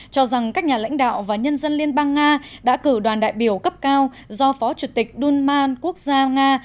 cho rằng các nhà lãnh đạo và nhân dân liên bang nga đã cử đoàn đại biểu cấp cao do phó chủ tịch đun man quốc gia nga